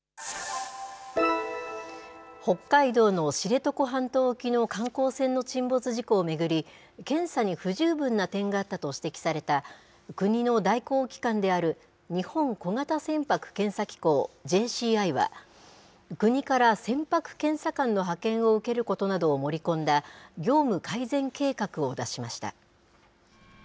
北海道の知床半島沖の観光船の沈没事故を巡り、検査に不十分な点があったと指摘された国の代行機関である日本小型船舶検査機構・ＪＣＩは、国から船舶検査官の派遣を受けることなどを盛り込んだ、業務改善計画を出しました。